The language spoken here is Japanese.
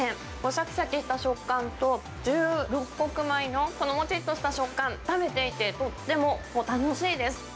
しゃきしゃきした食感と、１６穀米のこのもちっとした食感、食べていてとっても楽しいです。